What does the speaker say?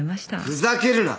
ふざけるな！